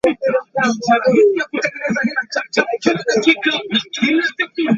The rural Fasci in particular were a curious phenomenon: both ancient and modern.